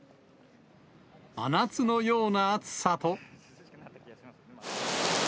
真夏のような暑さと。